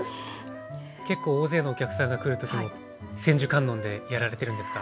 結構大勢のお客さんが来る時も千手観音でやられてるんですか？